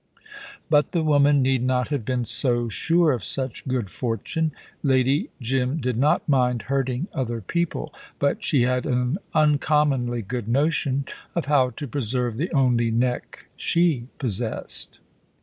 But the woman need not have been so sure of such good fortune. Lady Jim did not mind hurting other people, but she had an uncommonly good notion of how to preserve the only neck she possessed.